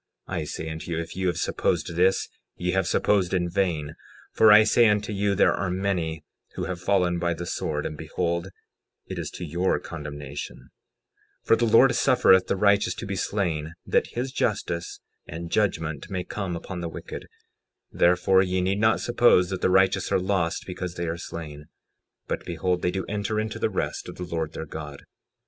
I say unto you, if ye have supposed this ye have supposed in vain; for I say unto you, there are many who have fallen by the sword; and behold it is to your condemnation; 60:13 For the Lord suffereth the righteous to be slain that his justice and judgment may come upon the wicked; therefore ye need not suppose that the righteous are lost because they are slain; but behold, they do enter into the rest of the Lord their God.